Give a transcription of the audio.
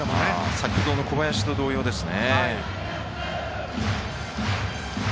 先ほどの小林と同様ですね。